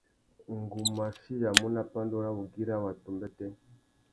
Ngu mú achiyamú nà pandú râ wugüira watu umbêtê.